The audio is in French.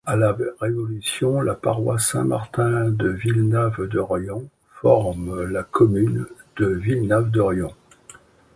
À la Révolution, la paroisse Saint-Martin de Villenave-de-Rions forme la commune de Villenave-de-Rions.